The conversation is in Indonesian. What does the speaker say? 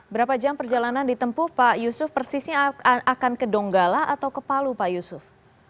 berapa jam perjalanan ditempuh pak yusuf persisnya akan ke donggala atau ke palu pak yusuf